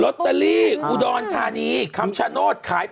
ตเตอรี่อุดรธานีคำชโนธขาย